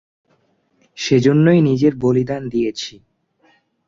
সেজন্যই নিজের বলিদান দিয়েছি।